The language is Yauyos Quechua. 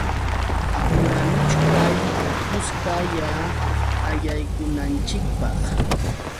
Apuranuchkay kuskalla allaykunanchikpaq.